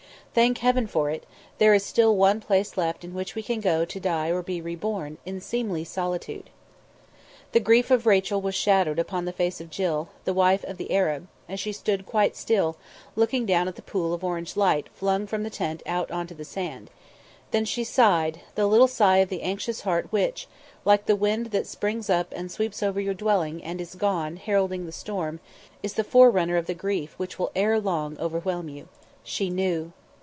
Thank heaven for it, there is still one place left in which we can go to die or be re born in seemly solitude. The grief of Rachel was shadowed upon the face of Jill, the wife of the Arab, as she sat quite still, looking down at the pool of orange light flung from the tent out onto the sand; then she sighed, the little sigh of the anxious heart which, like the wind that springs up and sweeps over your dwelling, and is gone, heralding the storm, is the forerunner of the grief which will ere long overwhelm you. She knew!